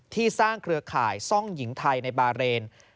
สร้างเครือข่ายซ่องหญิงไทยในบาเรน